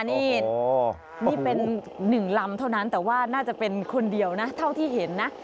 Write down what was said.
นี่นี่เป็น๑ลำเท่านั้นแต่ว่าน่าจะเป็นคนเดียวนะเท่าที่เห็นนะ